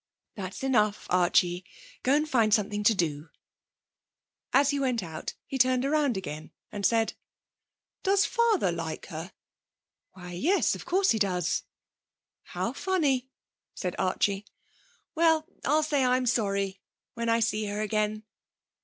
'That's enough, Archie. Go and find something to do.' As he went out he turned round again and said: 'Does father like her?' 'Why, yes, of course he does.' 'How funny!' said Archie. 'Well, I'll say I'm sorry ... when I see her again.'